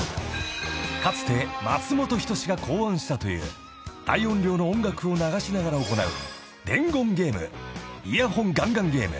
［かつて松本人志が考案したという大音量の音楽を流しながら行う伝言ゲーム］